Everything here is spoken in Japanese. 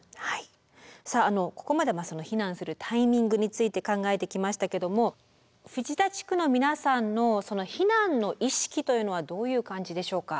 さあここまで避難するタイミングについて考えてきましたけども藤田地区の皆さんの避難の意識というのはどういう感じでしょうか？